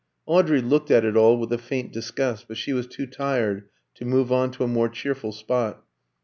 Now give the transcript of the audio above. Audrey looked at it all with a faint disgust, but she was too tired to move on to a more cheerful spot.